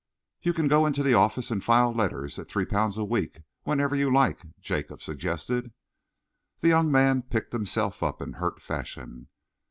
"You can go into the office and file letters, at three pounds a week, whenever you like," Jacob suggested. The young man picked himself up in hurt fashion.